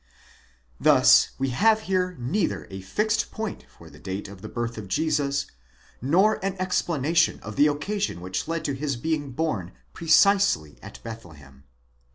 ® Thus we have here neither a fixed point for the date of the birth of Jesus, nor an explanation of the occasion which led to his being born precisely at Bethlehem.